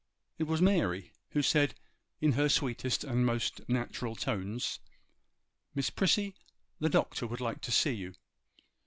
It was Mary, who said, in her sweetest and most natural tones, 'Miss Prissy, the Doctor would like to see you.